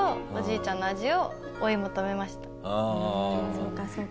そうかそうか。